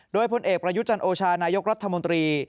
โดยพลเอกประยุจันโอชานายกรัฐมนตรี